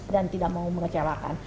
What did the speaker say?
dan tidak mau mengecewakan